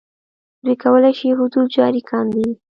دوی کولای شي حدود جاري کاندي.